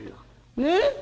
ねえ。